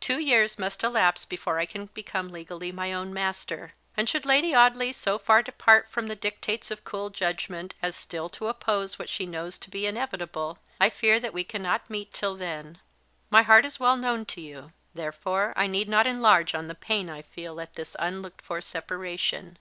Two years must elapse before I can become legally my own master, and should Lady Audley so far depart from the dictates of cool judgment as still to oppose what she knows to be inevitable, I fear that we cannot meet till then. My heart is well known to you; therefore I need not enlarge on the pain I feel at this unlooked for separation.